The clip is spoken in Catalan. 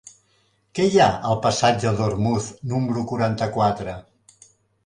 Què hi ha al passatge d'Ormuz número quaranta-quatre?